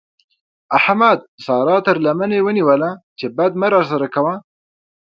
احمد سارا تر لمنه ونيوله چې بد مه راسره کوه.